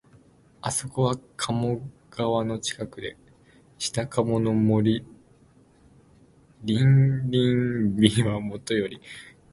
あそこは鴨川の近くで、下鴨の森林美はもとより、